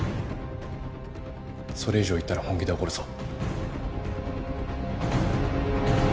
それ以上言ったら本気で怒るぞ。